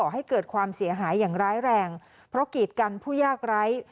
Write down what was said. ให้เกิดความเสียหายอย่างร้ายแรงเพราะกีดกันผู้ยากไร้